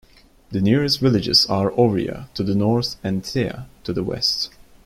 The nearest villages are Ovrya to the north and Thea to the west.